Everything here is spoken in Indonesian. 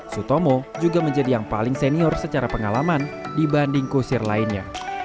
sutomo juga menjadi yang paling senior secara pengalaman dibanding kusir lainnya